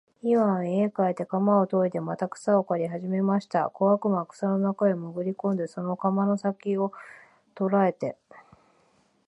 イワンは家へ帰って鎌をといでまた草を刈りはじめました。小悪魔は草の中へもぐり込んで、その鎌の先きを捉えて、